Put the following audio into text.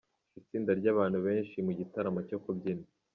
Itsinda ryabantu benshi mu gitaramo cyo kubyina